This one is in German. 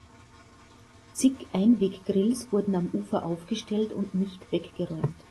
Zig Einweggrills wurden am Ufer aufgestellt und nicht weggeräumt.